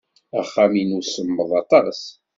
Axxam-inu semmeḍ aṭas.